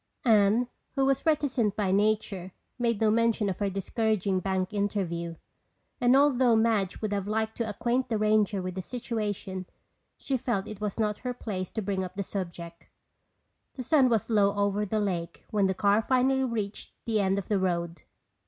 Anne who was reticent by nature, made no mention of her discouraging bank interview, and although Madge would have liked to acquaint the ranger with the situation, she felt it was not her place to bring up the subject. The sun was low over the lake when the car finally reached the end of the road.